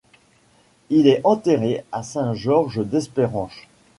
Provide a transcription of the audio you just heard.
Il est enterré à Saint-Georges-d'Espéranche.